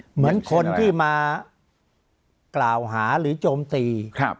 เหมือนคนที่มากล่าวหาหรือโจมตี